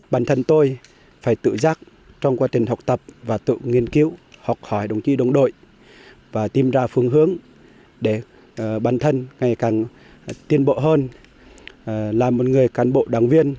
bản thân tôi phải tự giác trong quá trình học tập và tự nghiên cứu học hỏi đồng chí đồng đội và tìm ra phương hướng để bản thân ngày càng tiên bộ hơn làm một người cán bộ đảng viên